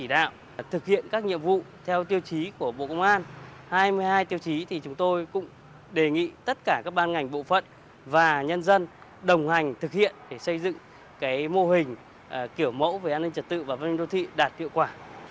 tất cả các ban ngành bộ phận và nhân dân đồng hành thực hiện để xây dựng mô hình kiểu mẫu về an ninh trật tự và văn minh đô thị đạt tiệu quả